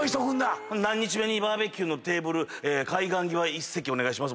何日目にバーベキューのテーブル海岸際に１席お願いします。